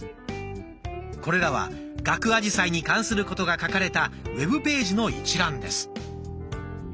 これらは「ガクアジサイ」に関することが書かれたウェブページの一覧です。